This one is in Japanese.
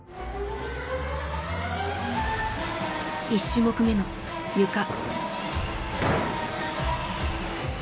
１種目目のゆか。